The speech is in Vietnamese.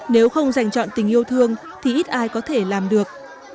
nếu không dành chọn tình yêu thương thì ít ai có thể làm được